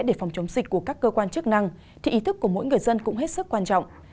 để phòng chống dịch của các cơ quan chức năng thì ý thức của mỗi người dân cũng hết sức quan trọng